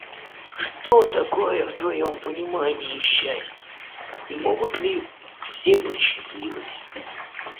Что такое в твоем понимании счастье и могут ли все быть счастливыми?